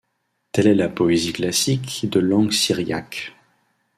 Telle est la poésie classique de langue syriaque.